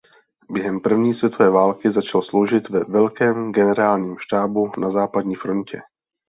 Během První světové války začal sloužit ve Velkém generálním štábu na Západní frontě.